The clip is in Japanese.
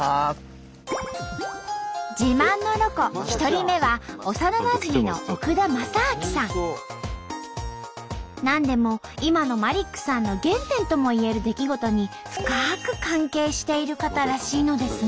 自慢のロコ１人目は幼なじみのなんでも今のマリックさんの原点ともいえる出来事に深く関係している方らしいのですが。